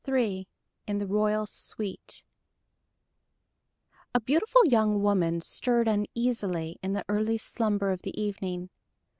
III IN THE ROYAL SUITE A beautiful young woman stirred uneasily in the early slumber of the evening.